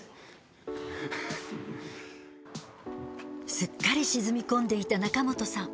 すっかり沈み込んでいた中元さん。